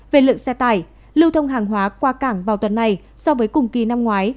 về lượng xe tải lưu thông hàng hóa qua cảng vào tuần này so với cùng kỳ năm ngoái